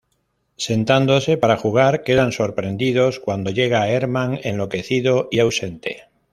Sentándose para jugar, quedan sorprendidos cuando llega Herman, enloquecido y ausente.